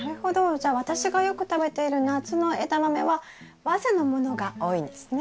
じゃあ私がよく食べている夏のエダマメは早生のものが多いんですね。